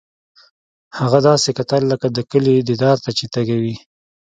هغه داسې کتل لکه د کلي دیدار ته چې تږی وي